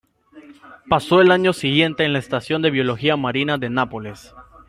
Pasó el año siguiente en la Estación de Biología Marina de Nápoles.